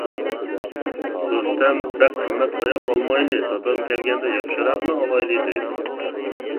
رۇستەم:-بەك قىممەت ئاياق ئالمايلى، دادام كەلگەندە ياخشىراقنى ئالايلى دەيدۇ.